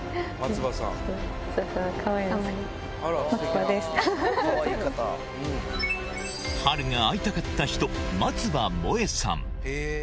波瑠が会いたかった人、松葉萌さん。